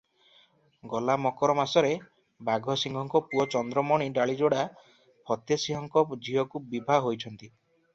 ଗଲା ମକର ମାସରେ ବାଘସିଂହଙ୍କ ପୁଅ ଚନ୍ଦ୍ରମଣି ଡାଳିଯୋଡ଼ା ଫତେସିଂହଙ୍କ ଝିଅକୁ ବିଭା ହୋଇଅଛନ୍ତି ।